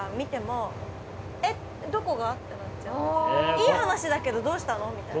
いい話だけどどうしたの？みたいな。